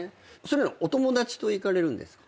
お友達と行かれるんですか？